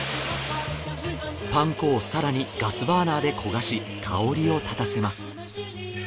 パン粉を更にガスバーナーで焦がし香りをたたせます。